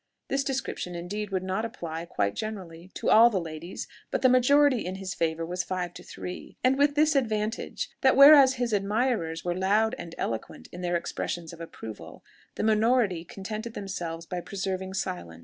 This description, indeed, would not apply quite generally to all the ladies; but the majority in his favour was five to three, and with this advantage, that whereas his admirers were loud and eloquent in their expressions of approval, the minority contented themselves by preserving silence.